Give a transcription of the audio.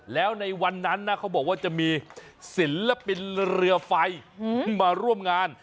แล้วในวันนั้นนะเขาบอกว่าจะมีศิลปินเรือไฟมาร่วมงาน